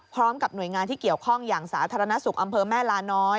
พร้อมกับหน่วยงานที่เกี่ยวข้องอย่างสาธารณสุขอำเภอแม่ลาน้อย